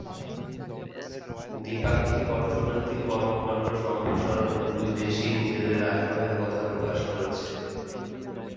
দ্বিপাক্ষিক অর্থনৈতিক কর্মকাণ্ড সম্প্রসারণে দুই দেশই নিজেদের আগ্রহের কথা প্রকাশ করেছে।